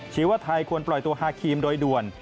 ว่าไทยควรปล่อยตัวฮาครีมโดยด่วน